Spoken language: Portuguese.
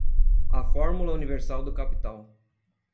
A fórmula universal do capital